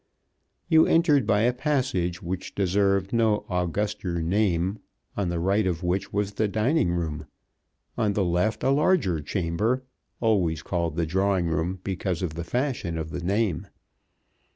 You entered by a passage which deserved no auguster name, on the right of which was the dining room; on the left a larger chamber, always called the drawing room because of the fashion of the name.